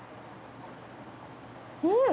うん。